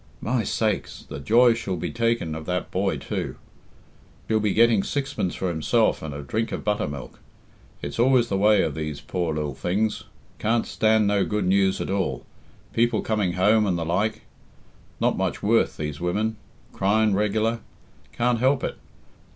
My sakes! the joy she'll be taking of that boy, too! He'll be getting sixpence for himself and a drink of butter milk. It's always the way of these poor lil things can't stand no good news at all people coming home and the like not much worth, these women crying reglar can't help it.